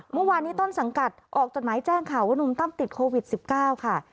เมื่อวานนี้ต้นสังกัดออกจดหมายแจ้งข่าวว่านุ่มตั้มติดโควิด๑๙ค่ะ